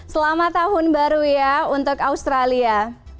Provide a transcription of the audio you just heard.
selamat tahun baru ya untuk australia